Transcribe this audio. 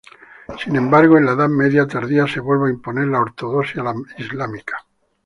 Sin embargo en la edad media tardía se vuelve a imponer la ortodoxia islámica.